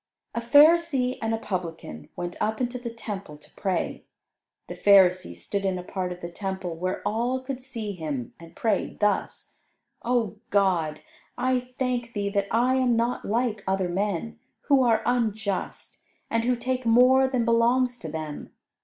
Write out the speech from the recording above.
A Pharisee and a Publican went up into the Temple to pray. The Pharisee stood in a part of the Temple where all could see him, and prayed thus: "O God, I thank Thee that I am not like other men, who are unjust, and who take more than belongs to them.